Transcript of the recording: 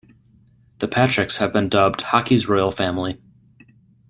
The Patricks have been dubbed Hockey's Royal Family.